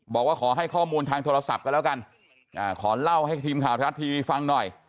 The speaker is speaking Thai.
บอกว่าขอให้ข้อมูลทางโทรศัพท์กันแล้วกันขอเล่าให้ทีมข่าวไทยรัฐทีวีฟังหน่อย